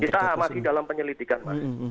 kita amati dalam penyelidikan pak